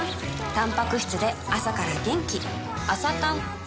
たんぱく質で朝から元気